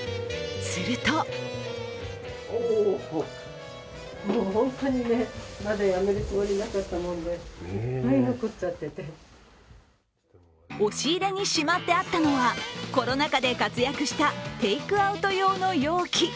すると押し入れにしまってあったのはコロナ禍で活躍したテイクアウト用の容器。